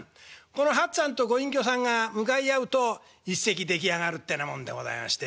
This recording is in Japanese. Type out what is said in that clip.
この八っつぁんとご隠居さんが向かい合うと一席出来上がるってなもんでございまして。